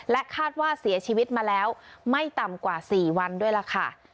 คาดว่าเสียชีวิตมาแล้วไม่ต่ำกว่า๔วันด้วยล่ะค่ะ